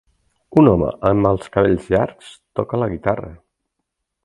Un home amb els cabells llargs toca la guitarra.